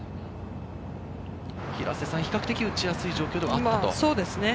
比較的、打ちやすい状況ではあったんですか？